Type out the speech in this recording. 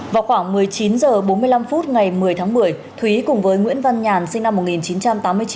vào khoảng một mươi chín h bốn mươi năm phút ngày một mươi tháng một mươi thúy cùng với nguyễn văn nhàn sinh năm một nghìn chín trăm tám mươi chín